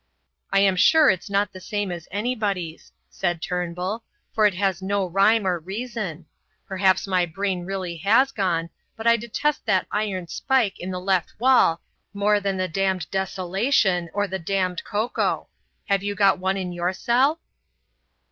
"I am sure it's not the same as anybody's," said Turnbull, "for it has no rhyme or reason. Perhaps my brain really has gone, but I detest that iron spike in the left wall more than the damned desolation or the damned cocoa. Have you got one in your cell?"